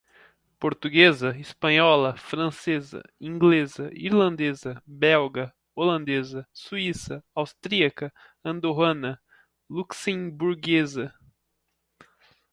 Portuguesa, Espanhola, Francesa, Inglesa, Irlandesa, Belga, Holandesa, Suíça, Austríaca, Andorrana, Luxemburguesa.